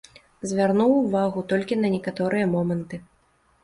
Звярну ўвагу толькі на некаторыя моманты.